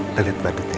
kita lihat badutnya